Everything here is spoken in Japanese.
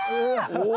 お。